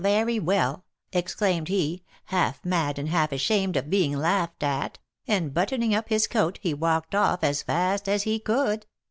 Very well!' exclaimed he, half mad and half ashamed of being laughed at, and, buttoning up his coat, he walked off as fast as he could.